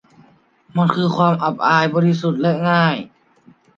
มันคือความอับอาย บริสุทธิ์และง่าย